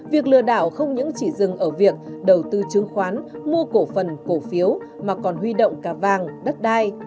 việc lừa đảo không những chỉ dừng ở việc đầu tư chứng khoán mua cổ phần cổ phiếu mà còn huy động cả vàng đất đai